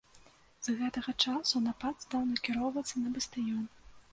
З гэтага часу напад стаў накіроўвацца на бастыён.